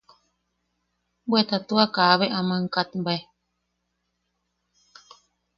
Bweta tua kaabe aman katbae.